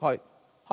はい。